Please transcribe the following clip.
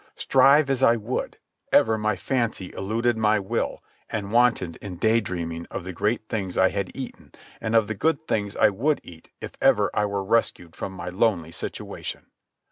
Strive as I would, ever my fancy eluded my will and wantoned in day dreaming of the good things I had eaten and of the good things I would eat if ever I were rescued from my lonely situation.